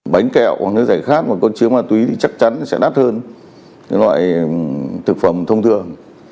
bánh kẹo nước giải khát một con chứa ma túy chắc chắn sẽ đắt hơn những loại thực phẩm thông thường